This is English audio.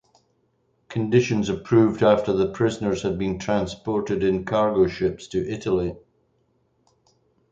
Conditions improved after the prisoners had been transported in cargo ships to Italy.